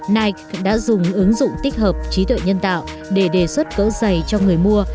night đã dùng ứng dụng tích hợp trí tuệ nhân tạo để đề xuất cỡ giày cho người mua